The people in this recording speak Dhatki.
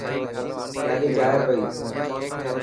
گاڏي جائي پئي.